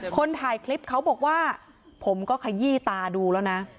คนถ่ายคลิปเขาบอกว่าผมก็ขยี้ตาดูแล้วนะ